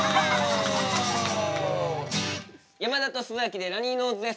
山田と洲崎でラニーノーズです。